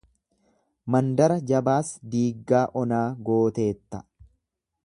Mandara jabaas diiggaa onaa gooteetta.